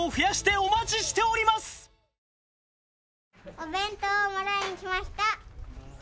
お弁当もらいに来ました！